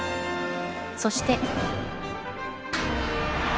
そして。